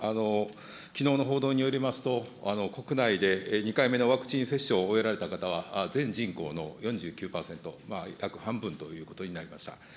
きのうの報道によりますと、国内で２回目のワクチン接種を終えられた方は全人口の４９％、約半分ということになりました。